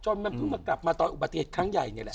มันเพิ่งมากลับมาตอนอุบัติเหตุครั้งใหญ่นี่แหละ